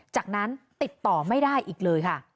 จากนั้นติดต่อไม่ได้อีกเลยค่ะ